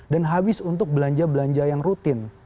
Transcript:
dan habis untuk belanja belanja yang rutin